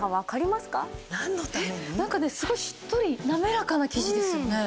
なんかねすごいしっとり滑らかな生地ですよね。